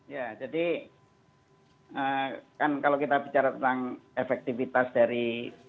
ya jadi kan kalau kita bicara tentang efektivitas dari